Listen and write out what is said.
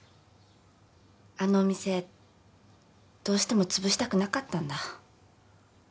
あのお店どうしてもつぶしたくなかったんだ。